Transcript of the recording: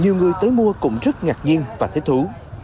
nhiều người tới mua cũng rất ngạc nhiên và thích thú